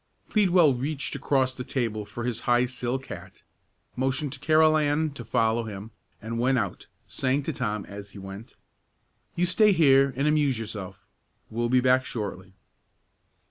Pleadwell reached across the table for his high silk hat, motioned to Carolan to follow him, and went out, saying to Tom as he went, "You stay here and amuse yourself; we'll be back shortly."